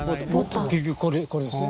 結局これですね。